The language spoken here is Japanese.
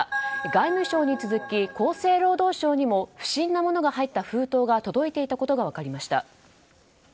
外務省に続き厚生労働省にも不審なものが入った封筒が届いていたことが分かりました。